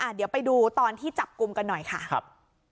เดี๋ยวไปดูตอนที่จับกลุ่มกันหน่อยค่ะครับ